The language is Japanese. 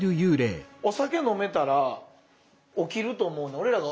お酒飲めたら起きると思うねん。